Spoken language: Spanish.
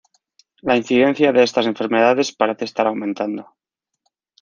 La incidencia de estas enfermedades parece estar aumentando.